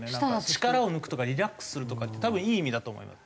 力を抜くとかリラックスするとか多分いい意味だと思います。